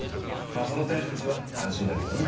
まぁその点うちは安心だけどな。